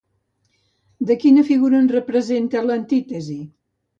De quina figura en representa l'antítesi?